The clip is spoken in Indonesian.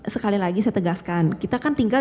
sekali lagi saya tegaskan kita kan tinggal